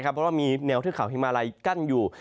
เพราะว่ามีแนวเทือกเขาฮิมาลัยกั้นอยู่